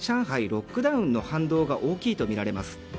ロックダウンの反動が大きいとみられます。